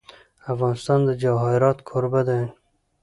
افغانستان د جواهرات کوربه دی.